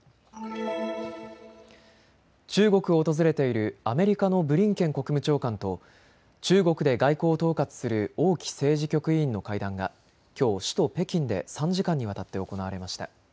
中国を訪れているアメリカのブリンケン国務長官と中国で外交を統括する王毅政治局委員の会談がきょう首都北京で３時間にわたって行われました。